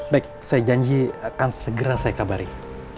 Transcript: baik saya janji akan segera saya kabari